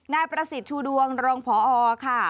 นายประสิทธิ์ชูดวงรองพอค่ะ